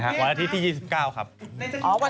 จากกระแสของละครกรุเปสันนิวาสนะฮะ